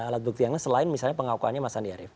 alat bukti yang lain selain misalnya pengakuannya mas andi arief